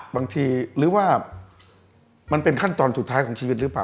บางทีหรือว่ามันเป็นขั้นตอนสุดท้ายของชีวิตหรือเปล่า